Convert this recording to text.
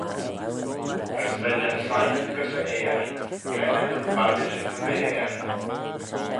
As ren ad signyn gys e ayr, cre'n ennym baillishyn y ve er.